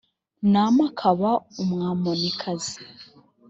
nama akaba umwamonikazi